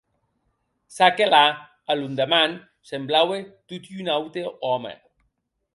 Ça que la, a londeman, semblaue tot un aute òme.